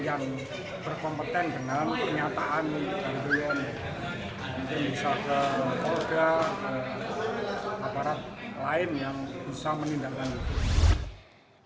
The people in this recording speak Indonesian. dan bisa dipiul kepada olga atau para lain yang bisa menindak nagon